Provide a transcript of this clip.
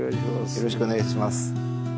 よろしくお願いします。